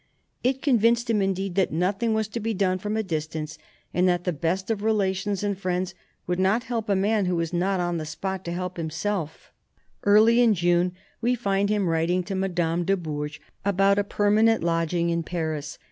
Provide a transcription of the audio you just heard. It convinced him, indeed, that nothing was to be done from a distance, and that the best of relations and friends would not help a man who was not on the spot to help himself Early in June we find him writing to Madame de Bourges about a permanent lodging in Paris.